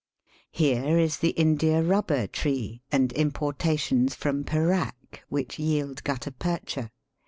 Here is the india rubber tree and importations from Perack which yield gutta percha.